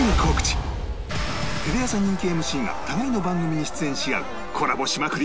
テレ朝人気 ＭＣ が互いの番組に出演し合う「コラボしまくり！